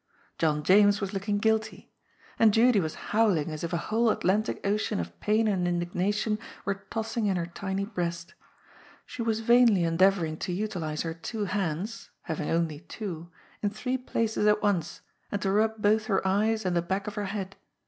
John James was looking guilty. And Judy was howling as if a whole Atlantic Ocean of pain and indigna tion were tossing in her tiny breast. She was vainly en deavouring to utilize her two hands — having only two — in three places at once, and to rub both her eyes and the back of her head.